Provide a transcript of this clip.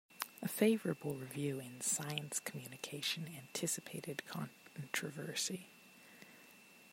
A favorable review in "Science Communication" anticipated controversy.